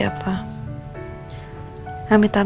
aku akan mencari tahu